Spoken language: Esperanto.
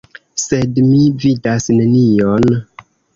Sed mi vidas nenion.